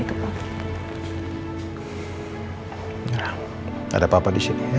nggak ada apa apa di sini ya